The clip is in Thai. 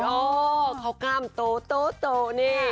โอ้เขากล้ำตูตูตูนี่